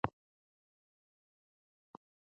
نجونې دا مهال په کورونو کې درس وايي.